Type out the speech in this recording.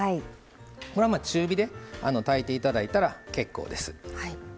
これは中火で炊いていただいたら結構です。